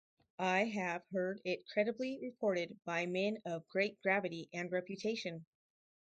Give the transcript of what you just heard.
I have heard it credibly reported by men of great gravity and reputation.